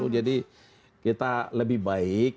jadi kita lebih baik